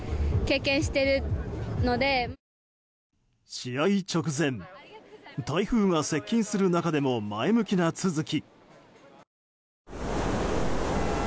試合直前台風が接近する中でも前向きな都筑。